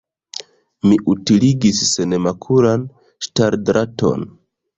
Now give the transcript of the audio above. Mi utiligis senmakulan ŝtaldraton.